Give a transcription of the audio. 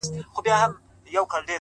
ته يو وجود د لمر و سيوري ته سوغات ولېږه!